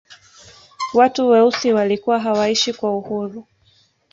watu weusi walikuwa hawaishi kwa uhuru